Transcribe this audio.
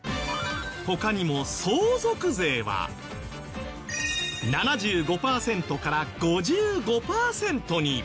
他にも相続税は７５パーセントから５５パーセントに。